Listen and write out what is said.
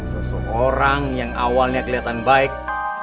seseorang yang awalnya kelihatan baik